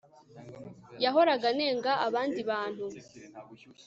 Yahoraga anenga abandi bantu